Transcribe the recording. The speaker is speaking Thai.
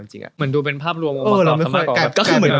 เหมือนดูเป็นภาพรวมมาต่อทำมาก่อน